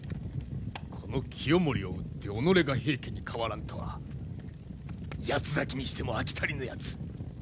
この清盛を討って己が平家に代わらんとは八つ裂きにしても飽き足りぬやつ。